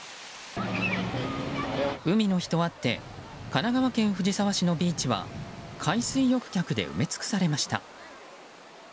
海の日とあって神奈川県藤沢市のビーチは海水浴客で埋め尽くされました。